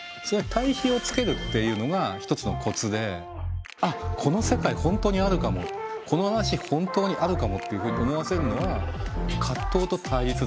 対比をつけるっていうのが一つのコツであっこの世界本当にあるかもこの話本当にあるかもっていうふうに思わせるのは葛藤と対立だっていうね。